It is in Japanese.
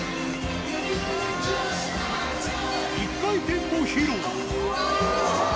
一回転も披露